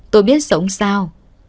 tôi biết sống sao